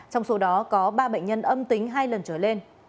trong số đó có ba bệnh nhân âm tính hai lần trở lên